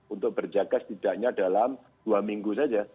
untuk berjaga setidaknya dalam dua minggu saja